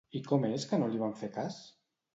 I com és que no li van fer cas?